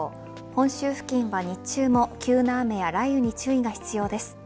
本州付近は日中も、急な雨や雷雨に注意が必要です。